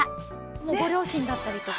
もうご両親だったりとか。